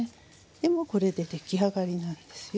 これで出来上がりなんですよ